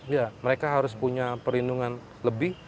iya mereka harus punya perlindungan lebih